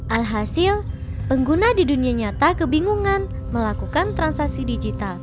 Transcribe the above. alhasil pengguna di dunia nyata kebingungan melakukan transaksi digital